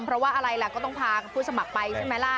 เพราะว่าอะไรล่ะก็ต้องพาผู้สมัครไปใช่ไหมล่ะ